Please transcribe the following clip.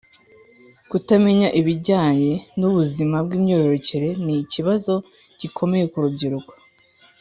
Kutamenya ibijyaye n’ubuzima bw’imyororokere ni ikibazo gikomeye kurubyiruko